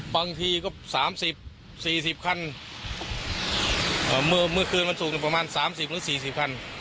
บางทีก็สามสิบสี่สิบคันเอ่อเมื่อเมื่อคืนวันสุกประมาณสามสิบหรือสี่สิบคัน